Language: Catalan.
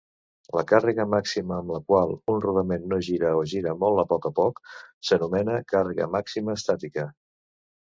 La càrrega màxima amb la qual un rodament no gira o gira molt a poc a poc s'anomena càrrega màxima estàtica.